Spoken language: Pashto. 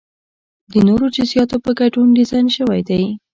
د نورو جزئیاتو په ګډون ډیزاین شوی دی.